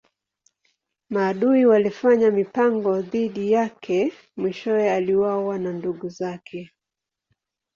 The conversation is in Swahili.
Maadui walifanya mipango dhidi yake mwishowe aliuawa na ndugu zake.